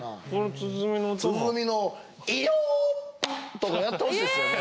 鼓のいよっ！とかやってほしいですよね。